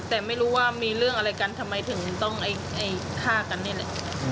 แต่ไม่รู้ว่ามีเรื่องอะไรกันทำไมถึงต้องฆ่ากันนี่แหละ